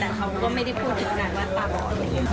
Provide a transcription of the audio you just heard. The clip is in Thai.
แต่เขาก็ไม่ได้พูดอย่างนั้นว่าตาบอดเลย